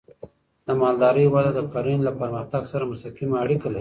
د مالدارۍ وده د کرنې له پرمختګ سره مستقیمه اړیکه لري.